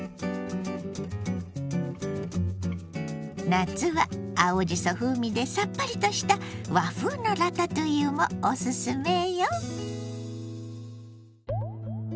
夏は青じそ風味でさっぱりとした和風のラタトゥイユもオススメよ。